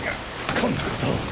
こんなことを！